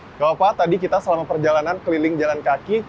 enggak apa apa tadi kita selama perjalanan keliling jalan kaki